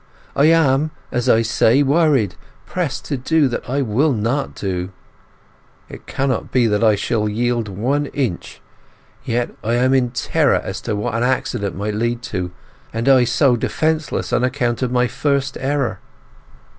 I am, as I say, worried, pressed to do what I will not do. It cannot be that I shall yield one inch, yet I am in terror as to what an accident might lead to, and I so defenceless on account of my first error.